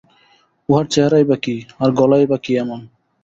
উহার চেহারাই বা কী, আর গলাই বা কী এমন।